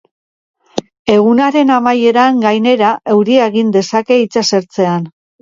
Egunaren amaieran, gainera, euria egin dezake itsasertzean.